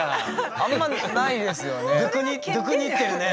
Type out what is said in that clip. あんまないですよね。